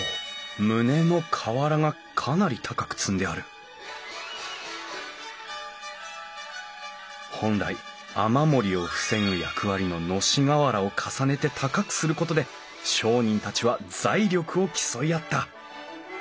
棟の瓦がかなり高く積んである本来雨漏りを防ぐ役割の熨斗瓦を重ねて高くすることで商人たちは財力を競い合った。